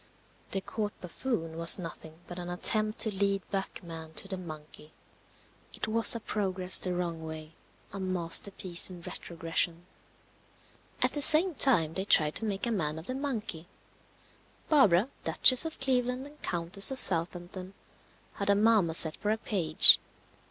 The Court buffoon was nothing but an attempt to lead back man to the monkey. It was a progress the wrong way. A masterpiece in retrogression. At the same time they tried to make a man of the monkey. Barbara, Duchess of Cleveland and Countess of Southampton, had a marmoset for a page.